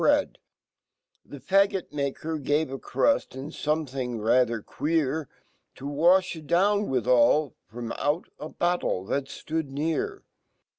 bread The faggt*maker gave a cruii and something rather queer TO wafKitdownwifhali ,fromauta battle fhal ftoodnear.